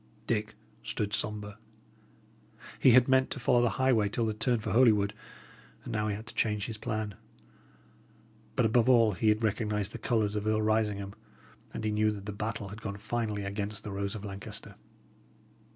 Dick stood sombre. He had meant to follow the highway till the turn for Holywood, and now he had to change his plan. But above all, he had recognised the colours of Earl Risingham, and he knew that the battle had gone finally against the rose of Lancaster.